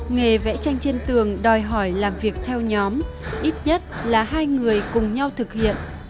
nghề vẽ tranh trên tường đòi hỏi làm việc theo nhóm ít nhất là hai người cùng nhau thực hiện